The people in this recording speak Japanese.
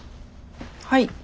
はい。